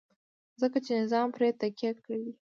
ځکه چې نظام پرې تکیه کړې ده.